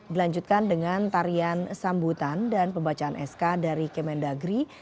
dilanjutkan dengan tarian sambutan dan pembacaan sk dari kemendagri